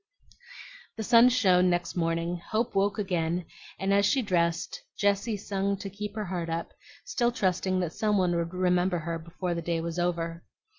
The sun shone next morning, hope woke again, and as she dressed Jessie sung to keep her heart up, still trusting that some one would remember her before the day was over.